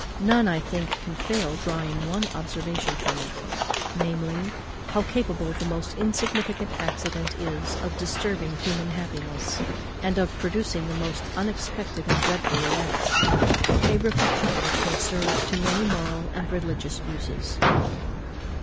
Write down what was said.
None, I think, can fail drawing one observation from it, namely, how capable the most insignificant accident is of disturbing human happiness, and of producing the most unexpected and dreadful events. A reflexion which may serve to many moral and religious uses.